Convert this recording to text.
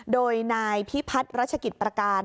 โดยนายพิพัฒน์รัชกิจประการ